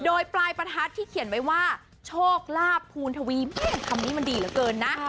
โดยปลายประทัดที่เขียนไว้ว่าโชคลาภภูณทวีแม่คำนี้มันดีเหลือเกินนะ